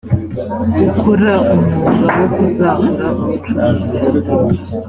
ukora umwuga wo kuzahura ubucuruzi